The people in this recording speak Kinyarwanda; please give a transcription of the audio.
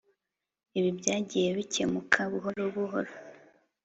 Ibi byagiyebikemuka buhoro buhoro.